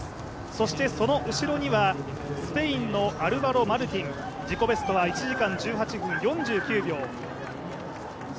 そしてその後ろにはスペインのアルバロ・マルティン自己ベは１時間１８分４９秒。